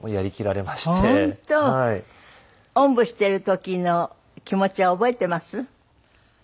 おんぶしてる時の気持ちは覚えてます？